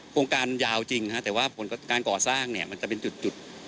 โครงการยาวจริงฮะแต่ว่าผลการก่อสร้างเนี่ยมันจะเป็นจุด